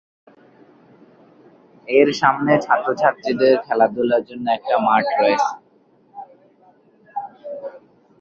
এর সামনে ছাত্র-ছাত্রীদের খেলাধুলার জন্য একটি মাঠ রয়েছে।